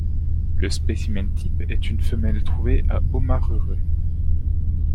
Le spécimen type est une femelle trouvée à Omaruru.